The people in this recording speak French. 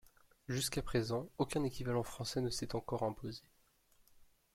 Jusqu'à présent, aucun équivalent français ne s'est encore imposé.